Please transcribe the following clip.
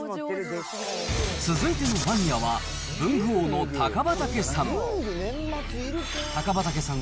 続いてのマニアは、文具王の高畑さん。